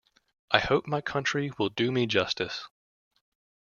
I hope my country will do me justice!